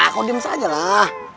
kok diem saja lah